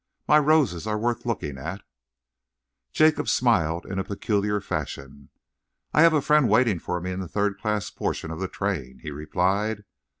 My roses are worth looking at." Jacob smiled in a peculiar fashion. "I have a friend waiting for me in the third class portion of the train," he replied.